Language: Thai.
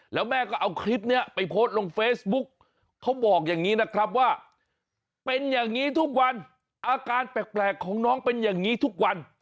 แล้วแม่ก็เอาคลิปนี้ไปโพสต์ลงเฟซบุ๊กเขาบอกอย่างนี้นะครับว่าเป็นอย่างนี้ทุกวันอาการแปลกของน้องเป็นอย่างนี้ทุกวัน